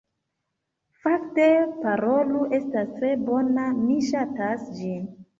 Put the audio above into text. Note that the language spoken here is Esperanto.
Fakte, Parolu estas tre bona, mi ŝatas ĝin